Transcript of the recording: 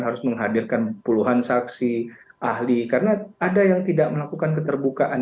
harus menghadirkan puluhan saksi ahli karena ada yang tidak melakukan keterbukaan